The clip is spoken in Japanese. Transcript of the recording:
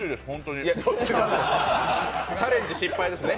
チャレンジ失敗ですね。